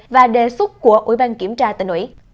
và đề xuất của ủy ban kiểm tra tỉnh ủy